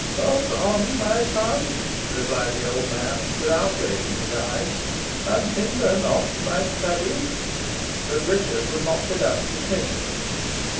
"Pass on, my son," replied the old man, without raising his eyes, "and hinder not my studies." But Richard would not be thus dismissed.